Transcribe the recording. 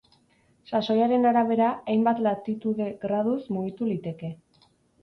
Sasoiaren arabera, hainbat latitude-graduz mugitu liteke.